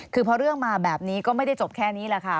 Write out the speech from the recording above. คือพอเรื่องมาแบบนี้ก็ไม่ได้จบแค่นี้แหละค่ะ